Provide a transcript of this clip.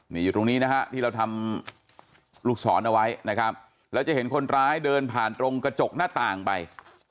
นี่อยู่ตรงนี้นะฮะที่เราทำลูกศรเอาไว้นะครับแล้วจะเห็นคนร้ายเดินผ่านตรงกระจกหน้าต่างไป